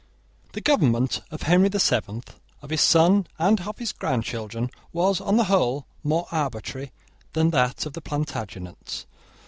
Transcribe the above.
The government of Henry the Seventh, of his son, and of his grandchildren was, on the whole, more arbitrary than that of the Plantagenets.